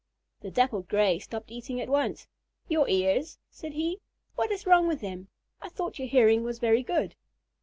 The Dappled Gray stopped eating at once. "Your ears?" said he. "What is wrong with them? I thought your hearing was very good."